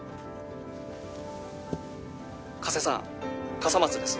加瀬さん笠松です